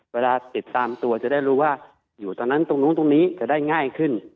เวลาติดตามตัวจะได้รู้ว่าอยู่ตรงนั้นตรงนู้นตรงนี้จะได้ง่ายขึ้น